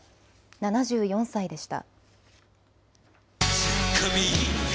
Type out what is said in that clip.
７４歳でした。